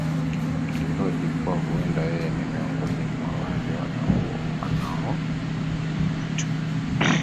Alihoji kuwa huwenda yeye ni miongoni mwa wale wanaoua watu